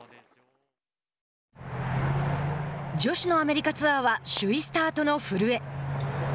女子のアメリカツアーは首位スタートの古江。